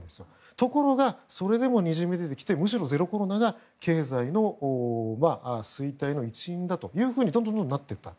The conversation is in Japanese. ところがそれでもにじみ出てきてむしろゼロコロナが経済の衰退の一因だとどんどんなっていった。